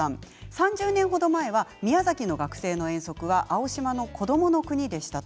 ３０年程前は宮崎の学生の遠足は青島のこどものくにでした。